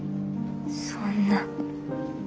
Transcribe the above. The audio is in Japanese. そんな。